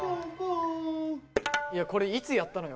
いやこれいつやったのよ？